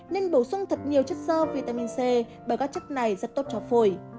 nên bổ sung thật nhiều chất sơ vitamin c bởi các chất này rất tốt cho phổi